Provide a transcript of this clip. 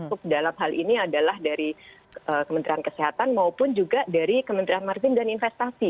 untuk dalam hal ini adalah dari kementerian kesehatan maupun juga dari kementerian maritim dan investasi